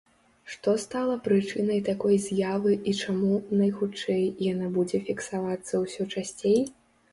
Што стала прычынай такой з'явы і чаму, найхутчэй, яна будзе фіксавацца ўсё часцей?